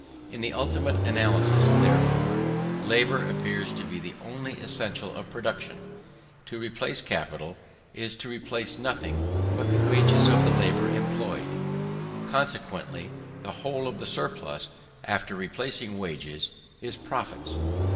In the ultimate analysis, therefore, labour appears to be the only essential of production. To replace capital, is to replace nothing but the wages of the labour employed. Consequently, the whole of the surplus, after replacing wages, is profits.